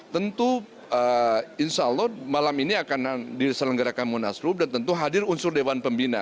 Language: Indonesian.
tentu insya allah malam ini akan diselenggarakan munaslup dan tentu hadir unsur dewan pembina